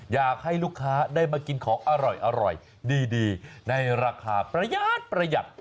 อยากให้ลูกค้าได้มากินของอร่อยดีในราคาประหยัดประหยัด